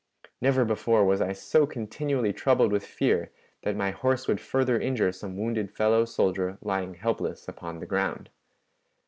Never before was I so continually troubled with fear that my horse would further injure some wounded fellow soldier lying helpless upon the ground.